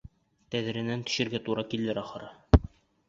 Тәҙрәнән төшөргә тура килер ахыры!